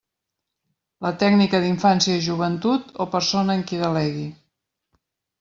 La Tècnica d'Infància i Joventut o persona en qui delegui.